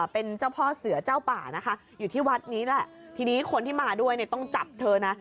เป็นเจ้าพ่อเสือเจ้าป่านะคะอยู่ที่วัดนี้แหละทีนี้คนที่มาด้วยเนี่ยต้องจับเธอนะ